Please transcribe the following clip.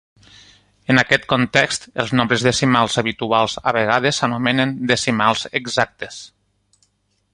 En aquest context, els nombres decimals habituals a vegades s'anomenen "decimals exactes".